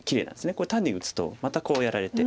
これ単に打つとまたこうやられて。